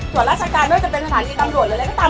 ส่วนราชการไม่ว่าจะเป็นสถานีตำรวจหรืออะไรก็ตาม